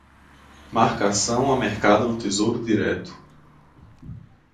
Marcação a mercado no Tesouro Direto